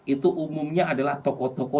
itu umumnya adalah toko toko